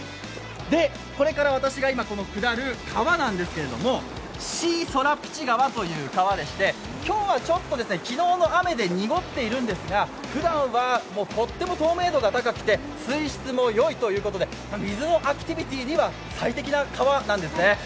これから私が下る川なんですけれども、今日はちょっと昨日の雨で濁っているんですが、ふだんはとっても透明度が高くて水質もいいということで水のアクティビティーには最適な川なんですね。